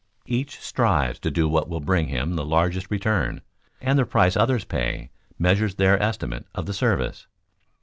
Each strives to do what will bring him the largest return, and the price others pay measures their estimate of the service.